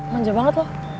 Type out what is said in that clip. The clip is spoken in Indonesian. lanja banget loh